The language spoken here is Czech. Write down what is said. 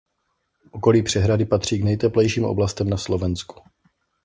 Okolí přehrady patří k nejteplejším oblastem na Slovensku.